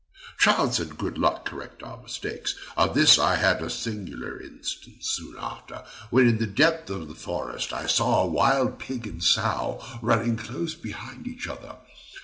Chance and good luck often correct our mistakes; of this I had a singular instance soon after, when, in the depth of a forest, I saw a wild pig and sow running close behind each other.